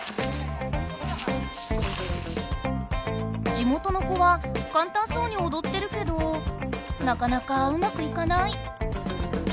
地元の子はかんたんそうにおどってるけどなかなかうまくいかない。